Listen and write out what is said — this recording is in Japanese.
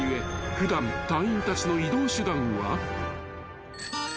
普段隊員たちの移動手段は］